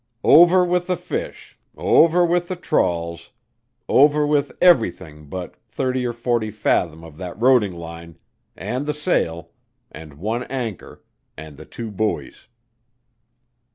Over with the fish, over with the trawls, over with everything but thirty or forty fathom of that roding line, and the sail, and one anchor, and the two buoys."